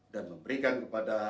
dan memberikan kepada